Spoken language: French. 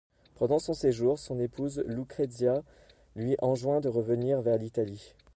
Pendant son séjour, son épouse Lucrezia lui enjoint de revenir vers l'Italie.